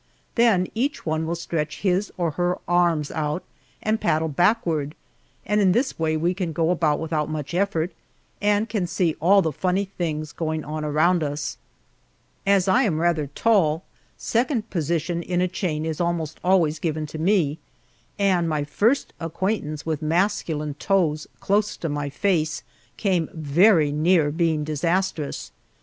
Then each one will stretch his or her arms out and paddle backward, and in this way we can go about without much effort, and can see all the funny things going on around us. As I am rather tall, second position in a chain is almost always given to me, and my first acquaintance with masculine toes close to my face came very near being disastrous.